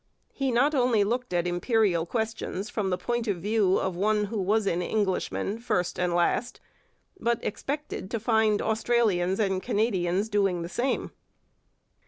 He not only looked at imperial questions from the point of view of one who was an Englishman first and last, but expected to find Australians and Canadians doing the same.